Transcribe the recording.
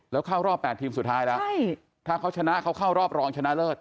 แล้วเข้ารอบ๘ทีมสุดท้ายแล้วถ้าเขาชนะเขาเข้ารอบรองชนะเลิศ